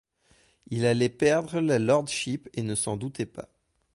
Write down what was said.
Il allait perdre la lordship et ne s’en doutait pas.